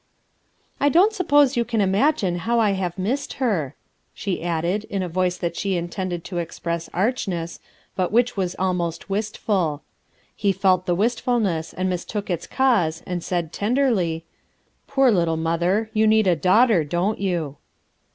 "I don't suppose you caa imagine how I have missed her/' she added in a voice that she intended to express archness, but which was almost wistful. He felt the wistfulncss and mistook its cause, and said tenderly: — "Poor little mother! you need a daughter don't you?"